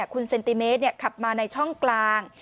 คุณเซนติเมตรขับมาในช่องกลาง